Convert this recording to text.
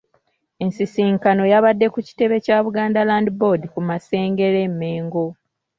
Ensisinkano yabadde ku kitebe kya Buganda Land Board ku Masengere e Mengo.